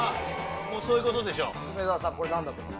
もうそういうことでしょ。